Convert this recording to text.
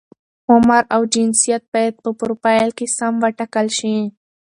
عمر او جنسیت باید په فروفیل کې سم وټاکل شي.